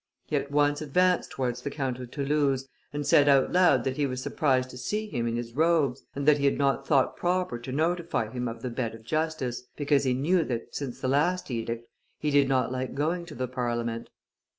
He at once advanced towards the Count of Toulouse, and said out loud that he was surprised to see him in his robes, and that he had not thought proper to notify him of the bed of justice, because he knew that, since the last edict, he did not like going to the Parliament.